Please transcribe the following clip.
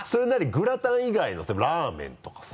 グラタン以外のラーメンとかさ。